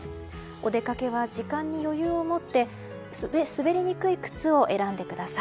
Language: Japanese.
お出かけは、時間に余裕を持って滑りにくい靴を選んでください。